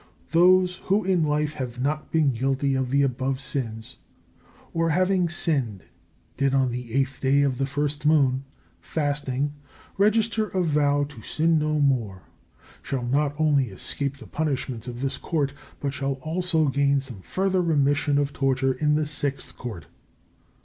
Those who in life have not been guilty of the above sins, or, having sinned, did on the 8th day of the 1st moon, fasting, register a vow to sin no more, shall not only escape the punishments of this Court, but shall also gain some further remission of torture in the Sixth Court.